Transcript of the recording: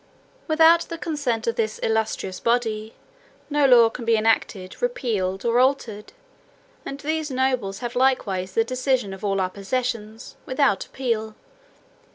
"Without the consent of this illustrious body, no law can be enacted, repealed, or altered: and these nobles have likewise the decision of all our possessions, without appeal."